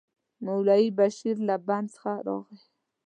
مولوي بشير له دربند څخه راغی.